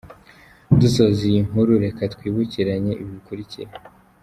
Dusoza iyi nkuru reka twibukiranye ibi bikurikira: .